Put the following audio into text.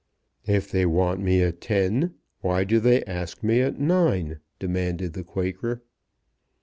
"If they want me at ten, why do they ask me at nine?" demanded the Quaker.